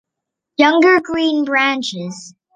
Younger green branches.